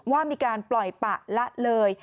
ว่ามีการปล่อยปะละเลย